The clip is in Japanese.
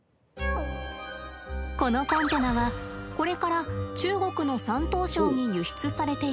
このコンテナはこれから中国の山東省に輸出されていきます。